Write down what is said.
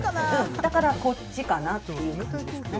だからこっちかなという感じですね。